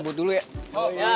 balik duluan ya semuanya